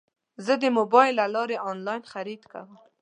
زه د موبایل له لارې انلاین خرید کوم.